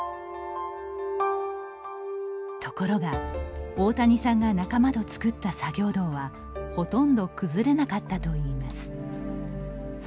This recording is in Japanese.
ところが、大谷さんが仲間とつくった作業道はほとんど崩れなかったといいます。